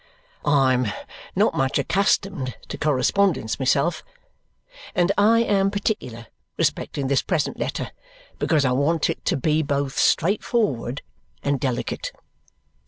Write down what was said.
I am not much accustomed to correspondence myself, and I am particular respecting this present letter because I want it to be both straightforward and delicate."